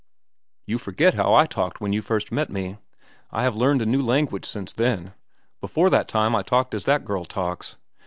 "You forget how I talked when you first met me. I have learned a new language since then. Before that time I talked as that girl talks.